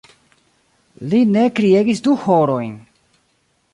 Li ne kriegis du horojn!